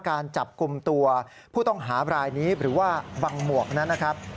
การจับกลุ่มตัวผู้ต้องหาบรายนี้หรือว่าบังหมวกนั้นนะครับ